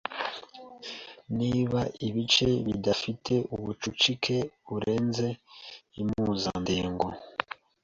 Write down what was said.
Niba ibice bidafite ubucucike burenze impuzandengo